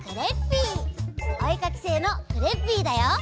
おえかきせいのクレッピーだよ！